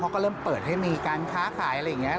เขาก็เริ่มเปิดให้มีการค้าขายอะไรอย่างนี้